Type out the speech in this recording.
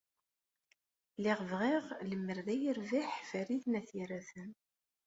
Lliɣ bɣiɣ lemmer d ay yerbiḥ Farid n At Yiraten.